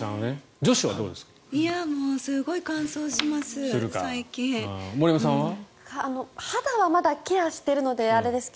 女子はどうですか？